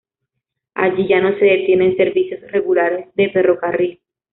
Allí ya no se detienen servicios regulares de ferrocarril.